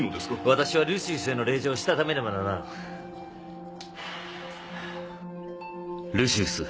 私はルシウスへの礼状をしたためねばならんルシウス